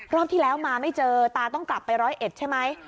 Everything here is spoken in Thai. ที่แล้วมาไม่เจอตาต้องกลับไปร้อยเอ็ดใช่ไหม